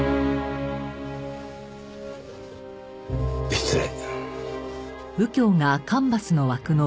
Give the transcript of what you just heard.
失礼。